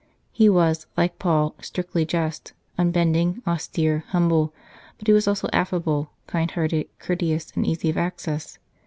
He was, like Paul, strictly just, unbending, austere, humble, but he was also affable, kind hearted, courteous, and easy of access.